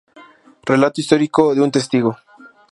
Relato histórico de un testigo.